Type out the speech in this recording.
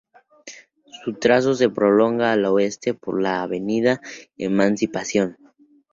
Su trazo se prolonga al oeste por la avenida Emancipación.